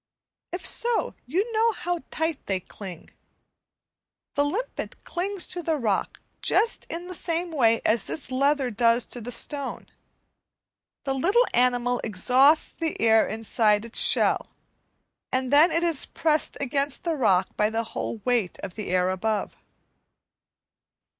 If so, you know how tight they cling. the limpet clings to the rock just in the same way as this leather does to the stone; the little animal exhausts the air inside it's shell, and then it is pressed against the rock by the whole weight of the air above.